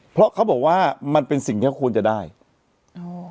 เพราะเขาบอกว่ามันเป็นสิ่งที่ควรจะได้อ๋อ